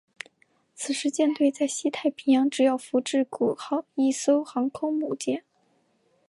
此时舰队在西太平洋只有福治谷号一艘航空母舰。